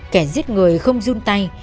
kẻ giết người không run tay